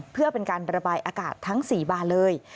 เพื่อเป็นการระบายอากาศทั้ง๔บานเลย